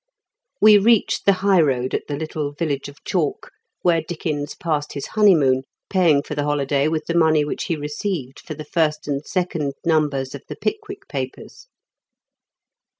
We reached the high road at the little village of Chalk, where Dickens passed his honeymoon, paying for the holiday with the money which he received for the first and 14 m KENT WITH CHABLE8 DICKENS, second numbers of The Pickwick Papers.